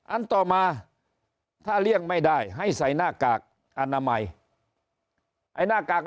อันต่อมาถ้าเลี่ยงไม่ได้ให้ใส่หน้ากากอนามัยไอ้หน้ากาก